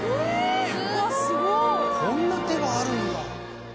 こんな手があるんだ。